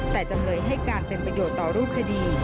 แต่จำเลยให้การเป็นประโยชน์ต่อรูปคดี